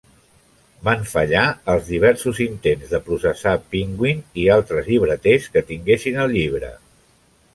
Van fallar els diversos intents de processar Penguin i altres llibreters que tinguessin el llibre.